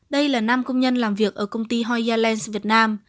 đây là năm công nhân làm việc ở công ty hoya lens việt nam